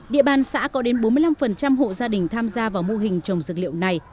địa bàn xã có đến bốn mươi năm hộ gia đình tham gia vào mô hình trồng dược liệu này